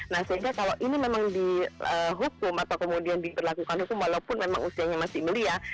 nah sehingga kalau ini memang dihukum atau kemudian diberlakukan hukum walaupun memang usianya masih belia